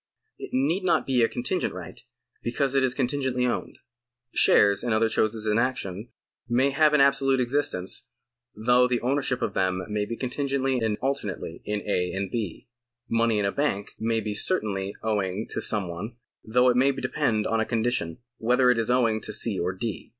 It need not be a contingent right, because it is contingently owned. Shares and other choses in action may have an absolute existence, though the ownership of them may be contingently and alternately in A. and B. Money in a bank may be certainly owing to some one, though it may depend on a condition, whether it is owing to C. or D.